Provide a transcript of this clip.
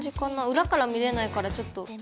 裏から見れないからちょっと。